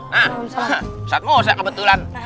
nah ustaz musa kebetulan